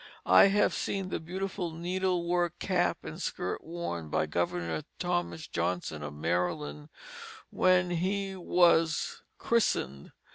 I have seen the beautiful needlework cap and skirt worn by Governor Thomas Johnson of Maryland, when he was christened.